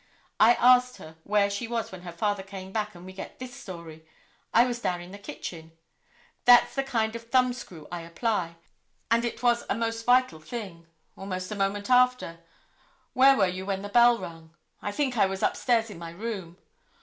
I asked her where she was when her father came back, and we get this story: 'I was down in the kitchen.' That's the kind of thumbscrew I apply, and it was a most vital thing. Almost a moment after: 'Where were you when the bell rung?' 'I think I was upstairs in my room.